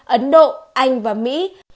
ấn độ anh và mỹ